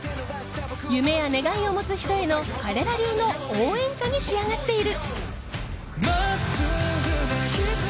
夢や願いを持つ人への彼ら流の応援歌に仕上がっている。